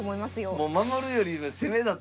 もう守るより攻めだと。